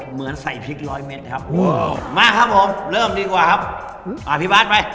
เหมือนใส่พริกร้อยเม็ดครับมาครับผมเริ่มดีกว่าครับอ่าพี่บาทไป